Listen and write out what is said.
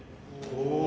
お！